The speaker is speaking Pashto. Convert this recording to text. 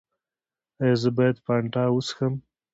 ایا زه باید فانټا وڅښم؟